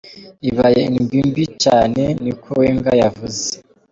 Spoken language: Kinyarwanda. Ibaye indwi mbi cane,” ni ko Wenger yavuze.